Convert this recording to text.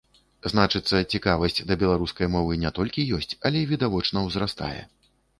Значыцца, цікавасць да беларускай мовы не толькі ёсць, але відавочна ўзрастае.